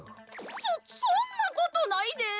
そそんなことないで。